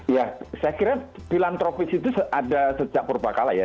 ya saya kira filantropis itu ada sejak purba kalah ya